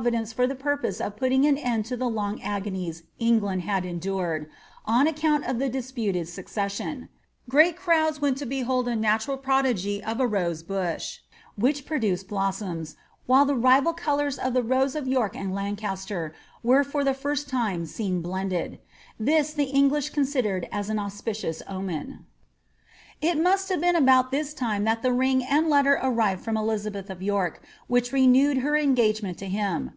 ^VltW ELISABBTH OF TOBK4 arranged by Proyidence for the purpose of putting an end to the long agonies Ei^land had endured, on account of the disputed successioiu Great crowds went to behold a natural prodigy of a rose bush, which produced blossoms, where the rival colours of the rose of York and Lancaster were ibr the first time seen blended This the English con* sidered was an auspicious omen.* It must have been about this time that the ring and letter arrived frttn Elizabeth of York which renewed her engagement to him.